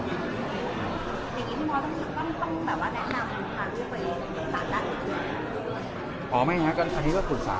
วดลีต้นต้องแนะนำให้ไปตรงของจะได้